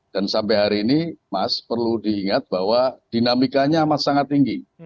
dan sampai hari ini mas perlu diingat bahwa dinamikanya amat sangat tinggi